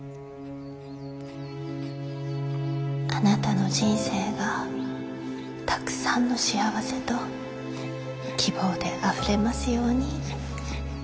あなたの人生がたくさんの幸せと希望であふれますように。